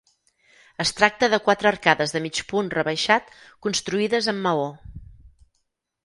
Es tracta de quatre arcades de mig punt rebaixat construïdes amb maó.